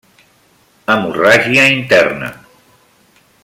Hemorràgia Interna: